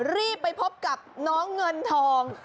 รีบไปพบกับน้องเงินทอง